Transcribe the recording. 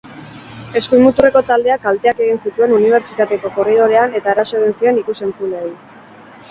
Eskuin-muturreko taldeak kalteak egin zituen unibertsitateko korridorean eta eraso egin zien ikus-entzuleei.